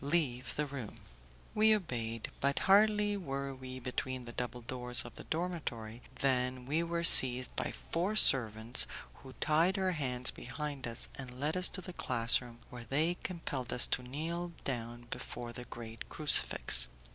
Leave the room." We obeyed; but hardly were we between the double doors of the dormitory than we were seized by four servants, who tied our hands behind us, and led us to the class room, where they compelled us to kneel down before the great crucifix.